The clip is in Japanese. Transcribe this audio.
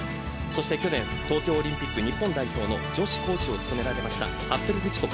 そして去年、東京オリンピック日本代表の女子コーチを務められました服部道子